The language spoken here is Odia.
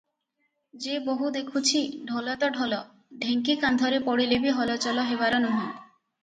ଯେ ବୋହୂ ଦେଖୁଛି, ଢୋଲ ତ ଢୋଲ, ଢେଙ୍କି କାନ୍ଧରେ ପଡ଼ିଲେ ବି ହଲଚଲ ହେବାର ନୁହଁ ।"